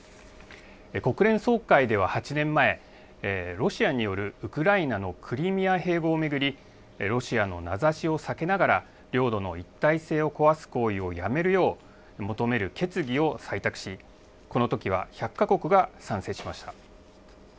国連総会では８年前、ロシアによるウクライナのクリミア併合を巡り、ロシアの名指しを避けながら、領土の一体性を壊す行為をやめるよう求める決議を採択し、このときは１００か国が賛成しました。